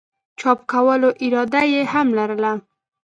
چاپ کولو اراده ئې هم لرله